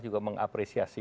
juga mengapresiasi itu